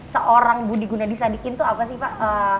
seorang budi guna di sadikin itu apa sih pak